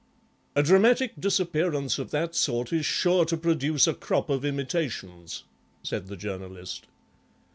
"A dramatic disappearance of that sort is sure to produce a crop of imitations," said the Journalist.